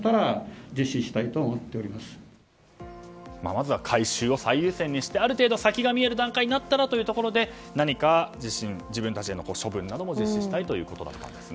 まずは回収を最優先にしてある程度先が見える段階になったらということで何か自分たちへの処分も実施したいということです。